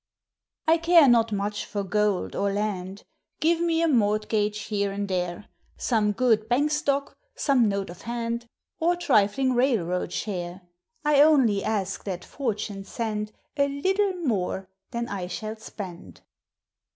I care not much for gold or land ;— Give me a mortgage here and there, — Some good bank stock, — some note of hand, Or trifling railroad share, — I only ask that Fortune send A little more than I shall spend.